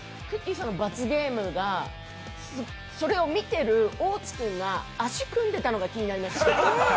さんの罰ゲームがそれを見ている大津君が足、組んでたのが気になりました。